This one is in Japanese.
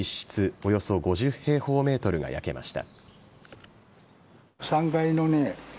およそ５０平方ｍが焼けました。